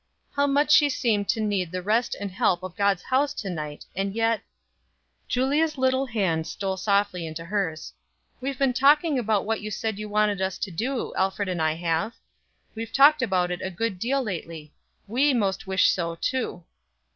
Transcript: How much she seemed to need the rest and help of God's house to night; and yet Julia's little hand stole softly into hers. "We've been talking about what you said you wanted us to do, Alfred and I have. We've talked about it a good deal lately. We most wish so, too."